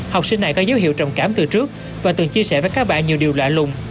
học sinh này có dấu hiệu trầm cảm từ trước và từng chia sẻ với các bạn nhiều điều lạ lùng